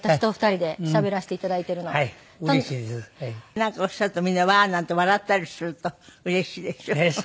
なんかおっしゃるとみんな「うわー！」なんて笑ったりするとうれしいでしょ？